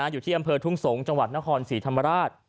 อยู่ที่อำเภอทุ่งสงศ์จังหวัดนครศรีธรรมราช